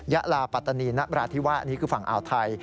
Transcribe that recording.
ะลาปัตตานีนบราธิวะอันนี้คือฝั่งอ่าวไทย